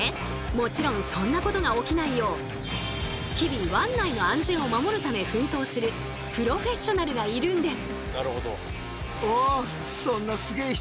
もちろんそんなことが起きないよう日々湾内の安全を守るため奮闘するプロフェッショナルがいるんです。